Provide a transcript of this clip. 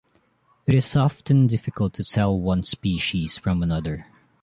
It is often difficult to tell one species from another.